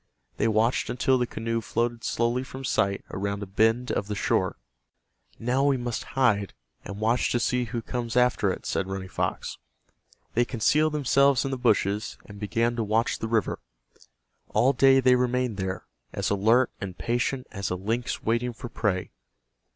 They watched until the canoe floated slowly from sight around a bend of the shore. "Now we must hide, and watch to see who comes after it," said Running Fox. They concealed themselves in the bushes, and began to watch the river. All day they remained there, as alert and patient as a lynx waiting for prey.